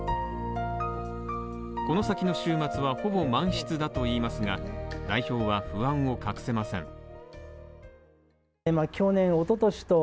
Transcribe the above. この先の週末はほぼ満室だといいますが代表は不安を隠せません。